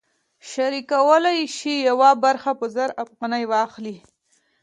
شریک کولی شي یوه برخه په زر افغانۍ واخلي